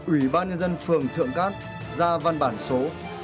ủy ban nhân dân phường thượng cát ra văn bản số sáu trăm bốn mươi ba